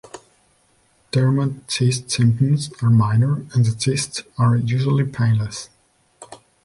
Dermoid cyst symptoms are minor and the cysts are usually painless.